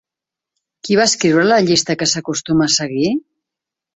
Qui va escriure la llista que s'acostuma a seguir?